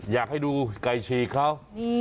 อยากให้ดูไก่ชีข้าว